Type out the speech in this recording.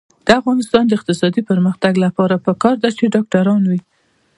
د افغانستان د اقتصادي پرمختګ لپاره پکار ده چې ډاکټران وي.